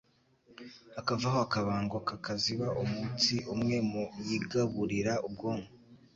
Hakavaho akabango kakaziba umutsi umwe mu yigaburira ubwonko.